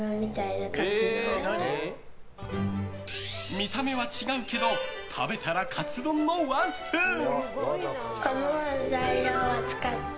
見た目は違うけど食べたらカツ丼のワンスプーン。